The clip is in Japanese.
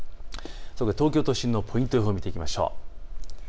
東京都心のポイント予報を見ていきましょう。